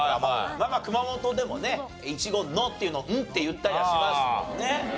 まあまあ熊本でもね「イチゴ“の”」っていうのを「ん」って言ったりはしますもんね。